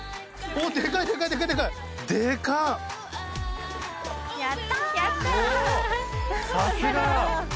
おさすが！